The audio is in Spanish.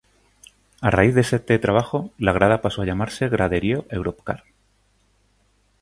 A raíz de este trabajo, la grada pasó a llamarse "graderío Europcar.